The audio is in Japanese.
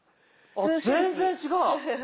あ全然違う。